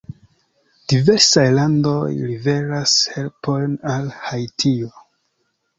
Diversaj landoj liveras helpojn al Haitio.